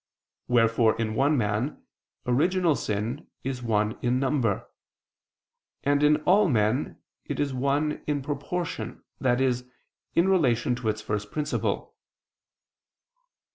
Wherefore in one man original sin is one in number; and in all men, it is one in proportion, i.e. in relation to its first principle.